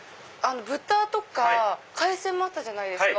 豚とか海鮮もあったじゃないですか。